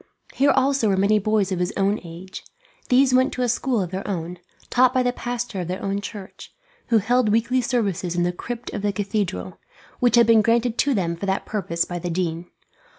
Here also were many boys of his own age. These went to a school of their own, taught by the pastor of their own church, who held weekly services in the crypt of the cathedral, which had been granted to them for that purpose by the dean.